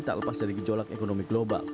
tak lepas dari gejolak ekonomi global